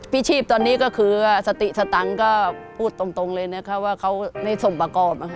ชีพตอนนี้ก็คือสติสตังค์ก็พูดตรงเลยนะคะว่าเขาไม่สมประกอบ